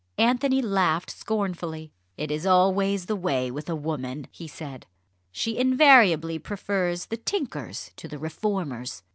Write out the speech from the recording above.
Anthony laughed scornfully. "It is always the way with a woman," he said; "she invariably prefers the tinkers to the reformers."